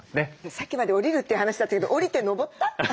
さっきまで下りるという話だったけど下りて上った？